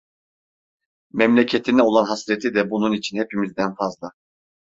Memleketine olan hasreti de bunun için hepimizden fazla.